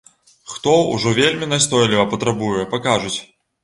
Хто ўжо вельмі настойліва патрабуе, пакажуць.